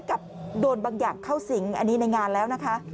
กับโดนบางอย่างเข้าสิงอันนี้ในงานแล้วนะคะ